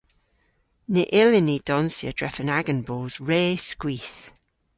Ny yllyn ni donsya drefen agan bos re skwith.